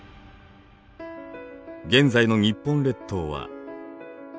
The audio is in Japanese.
現在の日本列島は。